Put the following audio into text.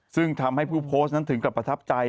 ซึ่งทำให้ผู้โพสต์นั้นถึงกลับประทับใจ